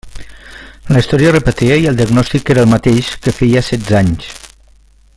La història es repetia i el diagnòstic era el mateix que feia setze anys!